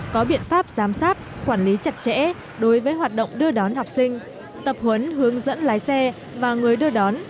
có biện pháp giám sát quản lý chặt chẽ đối với hoạt động đưa đón học sinh tập huấn hướng dẫn lái xe và người đưa đón